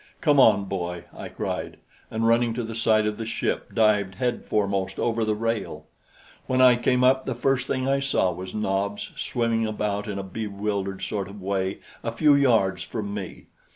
"Come on, boy!" I cried, and running to the side of the ship, dived headforemost over the rail. When I came up, the first thing I saw was Nobs swimming about in a bewildered sort of way a few yards from me.